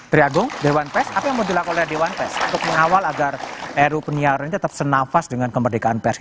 tri agung dewan pers apa yang mau dilakukan oleh dewan pers untuk mengawal agar ru penyiaran ini tetap senafas dengan kemerdekaan pers